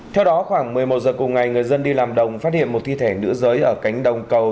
theo đó khoảng một mươi một giờ cùng ngày người dân đi làm đồng phát hiện một thi thể nữ giới ở cánh đồng cầu